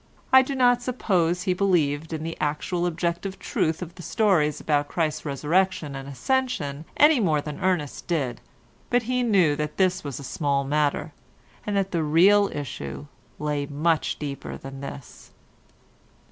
I do not suppose he believed in the actual objective truth of the stories about Christ's Resurrection and Ascension any more than Ernest did, but he knew that this was a small matter, and that the real issue lay much deeper than this.